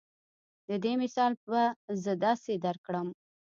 د دې مثال به زۀ داسې درکړم